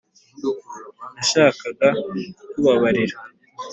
nashakaga kukubabarira